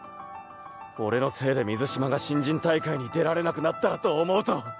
俺のせいで水嶋が新人大会に出られなくなったらと思うと！